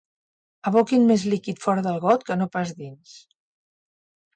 Aboquin més líquid fora del got que no pas dins.